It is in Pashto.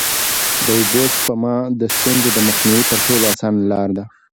د اوبو سپما د ستونزو د مخنیوي تر ټولو اسانه لاره ده.